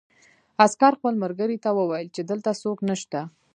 عسکر خپل ملګري ته وویل چې دلته څوک نشته